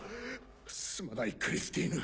すまないクリスティーヌ